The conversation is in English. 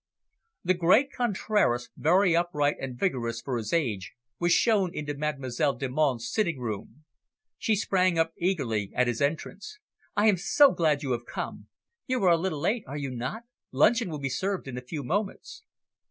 The great Contraras, very upright and vigorous for his age, was shown into Mademoiselle Delmonte's sitting room. She sprang up eagerly at his entrance. "I am so glad you have come. You are a little late, are you not? Luncheon will be served in a few moments."